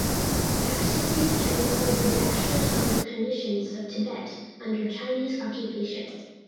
Activities have included lectures on the conditions of Tibet under Chinese occupation.